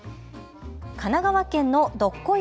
神奈川県のどっこい！